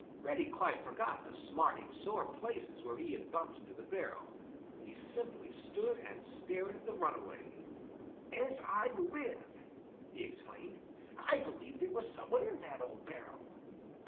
Reddy quite forgot the smarting sore places where he had bumped into the barrel. He simply stood and stared at the runaway. "As I live," he exclaimed, "I believe there was some one in that old barrel!"